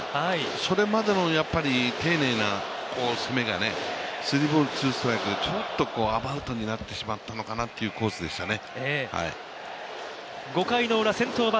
それまでの丁寧な攻めがスリーボールツーストライクでちょっとアバウトになってしまったのかなというコースでしたね。